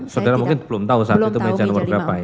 saudara mungkin belum tahu meja nomor berapa ya